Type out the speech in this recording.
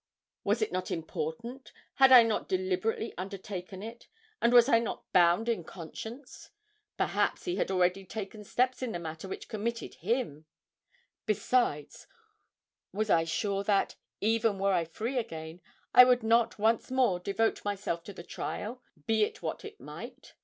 Was it not important had I not deliberately undertaken it and was I not bound in conscience? Perhaps he had already taken steps in the matter which committed him. Besides, was I sure that, even were I free again, I would not once more devote myself to the trial, be it what it might?